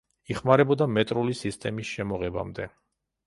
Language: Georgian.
იხმარებოდა მეტრული სისტემის შემოღებამდე.